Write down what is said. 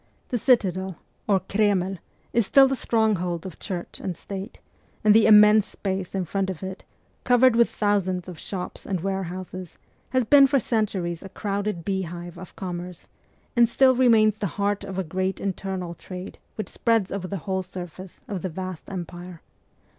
The citadel, or Kremlis still the stronghold of Church and State ; and the immense space in front of it, covered with thousands of shops and warehouses, has been for centuries a crowded beehive of commerce, and still remains the heart of a great internal trade which spreads over the whole surface of the vast empire.